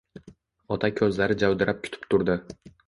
Ota ko`zlari javdirab kutib turdi